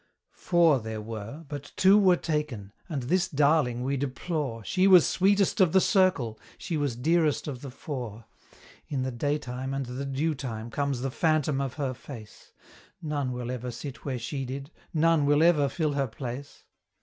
Four there were, but two were taken; and this darling we deplore, She was sweetest of the circle she was dearest of the four! In the daytime and the dewtime comes the phantom of her face: None will ever sit where she did none will ever fill her place.